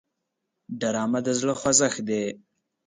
ډرامه د زړه خوځښت دی